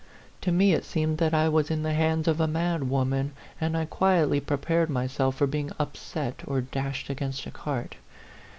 To me it seemed that I was in the hands of a mad woman, and I quietly prepared myself for being upset or dashed against a cart.